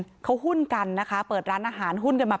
เพราะไม่เคยถามลูกสาวนะว่าไปทำธุรกิจแบบไหนอะไรยังไง